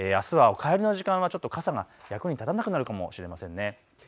あすはお帰りの時間はちょっと傘が役に立たなくなるかもしれません。